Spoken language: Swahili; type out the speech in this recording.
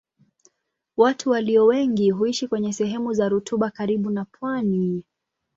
Watu walio wengi huishi kwenye sehemu za rutuba karibu na pwani.